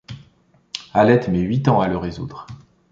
Hallette met huit ans à le résoudre.